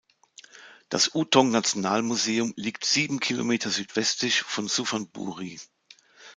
Das U-Thong-Nationalmuseum liegt sieben Kilometer südwestlich von Suphan Buri.